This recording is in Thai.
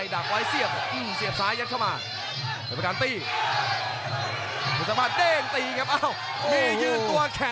ดักไว้เสียบเสียบซ้ายยัดเข้ามา